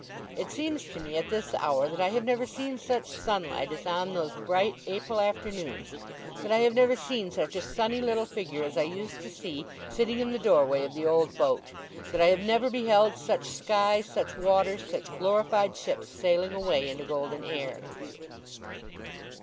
It seems to me, at this hour, that I have never seen such sunlight as on those bright April afternoons; that I have never seen such a sunny little figure as I used to see, sitting in the doorway of the old boat; that I have never beheld such sky, such water, such glorified ships sailing away into golden air.